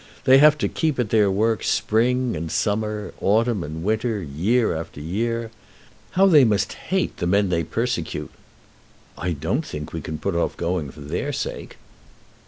They have to keep at their work spring and summer, autumn and winter, year after year! How they must hate the men they persecute!" "I don't think we can put off going for their sake."